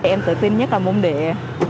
em tự tin nhất là môn địa